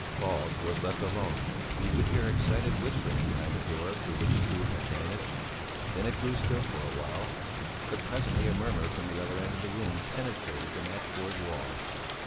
Falk was left alone; he could hear excited whispering behind the door through which Struve had vanished; then it grew still for a while; but presently a murmur from the other end of the room penetrated the matchboard wall.